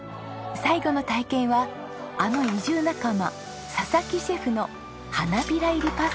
最後の体験はあの移住仲間佐々木シェフの花びら入りパスタが登場です。